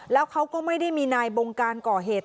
แล้วเขาก็ไม่ได้มีนายบงการก่อเหตุ